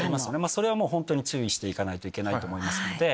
それはもう本当に注意していかないといけないと思いますので。